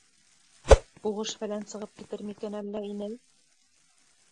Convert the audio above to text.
Һуғыш-фәлән сығып китер микән әллә, инәй?